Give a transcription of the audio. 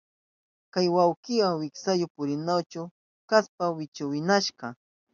Kay wawkika wisaru purinayu kashpan wichumuwashka.